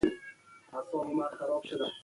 د پرېکړو ځنډ ستونزې زیاتوي